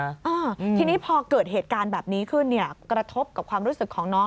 อ่าทีนี้พอเกิดเหตุการณ์แบบนี้ขึ้นเนี่ยกระทบกับความรู้สึกของน้อง